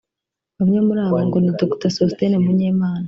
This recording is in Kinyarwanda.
Bamwe muri abo ngo ni Dr Sosthène Munyemana